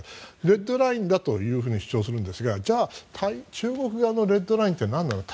レッドラインだと主張するんですがじゃあ中国側のレッドラインってなんなのって。